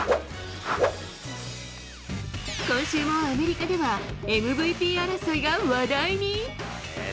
今週もアメリカではＭＶＰ争いが話題に。